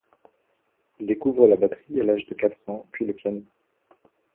Il découvre la batterie à l'âge de quatre ans puis le piano.